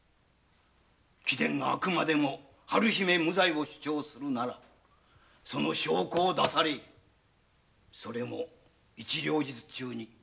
貴殿があくまでも春姫無罪を主張するならその証拠を出されいそれも一両日中に。